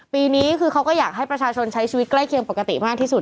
ปีนี้คือเขาก็อยากให้ประชาชนใช้ชีวิตใกล้เคียงปกติมากที่สุด